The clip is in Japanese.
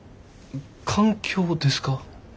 環境ですか？